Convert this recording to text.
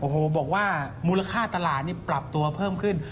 โอ้โหบอกว่ามูลค่าตลาดนี่ปรับตัวเพิ่มขึ้น